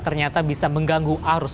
ternyata bisa mengganggu arus